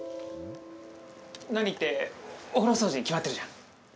何って、お風呂掃除に決まってるじゃん。